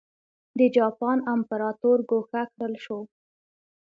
د جاپان امپراتور ګوښه کړل شو.